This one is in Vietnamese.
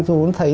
chú nó thấy